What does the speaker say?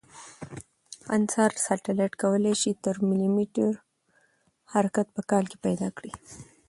انسار سټلایټ کوای شي تر ملي متر حرکت په کال کې پیدا کړي